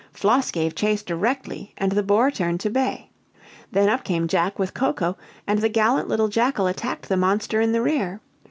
Floss gave chase directly, and the boar turned to bay. Then up came Jack with Coco, and the gallant little jackal attacked the monster in the rear.